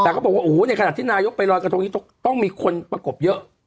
แต่เขาบอกว่าโอ้โหในขณะที่นายกไปลอยกระทงนี้ต้องมีคนประกบเยอะ